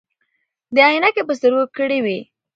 ده عینکې په سترګو کړې وې.